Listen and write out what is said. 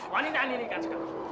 wanita ini kak sekar